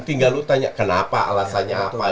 tinggal lu tanya kenapa alasannya apa